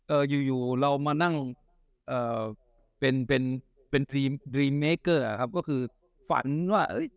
เอ่ออยู่อยู่เรามานั่งเอ่อเป็นเป็นเป็นครับก็คือฝันว่าเอ้ย